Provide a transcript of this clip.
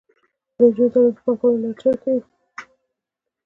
د نجونو تعلیم د پانګونې لارې چارې ښيي.